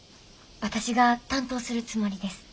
私が担当するつもりです。